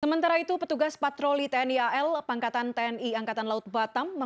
sementara itu petugas patroli tni al pangkatan tni angkatan laut batam